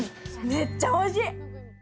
めっちゃおいしい！